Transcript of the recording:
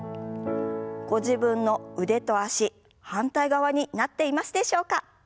ご自分の腕と脚反対側になっていますでしょうか？